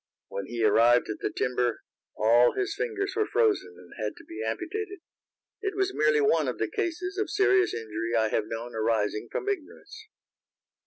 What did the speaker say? When he arrived at the timber all his fingers were frozen, and had to be amputated. It was merely one of the cases of serious injury I have known arising from ignorance.